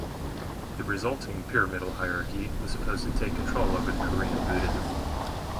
The resulting pyramidal hierarchy was supposed to take control over the Korean Buddhism.